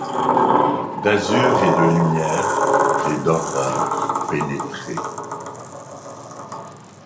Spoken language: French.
D’azur et de lumière et d’horreur pénétrée ;